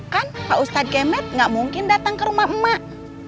kan pak ustadz kemet nggak mungkin datang ke rumah mak